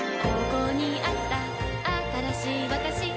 ここにあったあったらしい